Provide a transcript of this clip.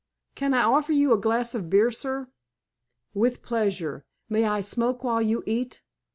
"Can I offer you a glass of beer, sir?" "With pleasure. May I smoke while you eat?